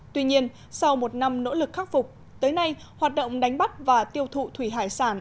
tuy nhiên sau một năm nỗ lực khắc phục tới nay hoạt động đánh bắt và tiêu thụ thủy hải sản